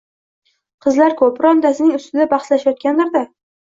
Qizlar ko`p, birontasining ustida bahslashayotgandirlar-da